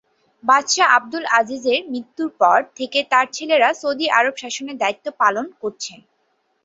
বাদশাহ আবদুল আজিজের মৃত্যুর পর থেকে তার ছেলেরা সৌদি আরব শাসনের দায়িত্ব পালন করছেন।